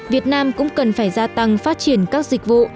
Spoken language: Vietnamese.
việt nam cũng cần phải gia tăng phát triển các dịch vụ